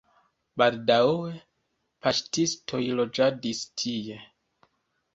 Baldaŭe paŝtistoj loĝadis tie.